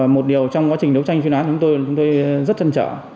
một điều trong quá trình đấu tranh chuyên án chúng tôi rất trân trở